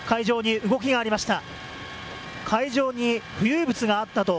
海上で動きがありました。